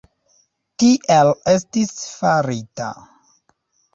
Tiel estis farita.